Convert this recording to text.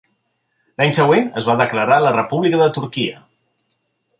L'any següent es va declarar la República de Turquia.